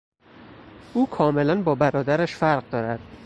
او کاملا با برادرش فرق دارد.